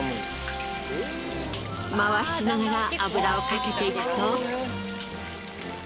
回しながら油をかけていくと。